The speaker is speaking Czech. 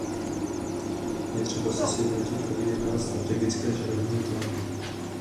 Je třeba se sjednotit a vyjednávat strategicky a srozumitelně.